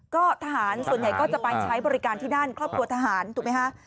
ก็ทหารส่วนใหญ่ก็จะไปใช้บริการที่นั่นครอบครัวทหารถูกไหมฮะ